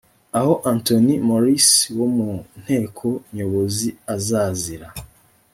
aho anthony morris wo mu nteko nyobozi azazira